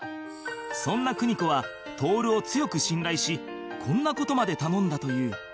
そんな邦子は徹を強く信頼しこんな事まで頼んだという